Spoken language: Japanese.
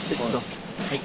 はい。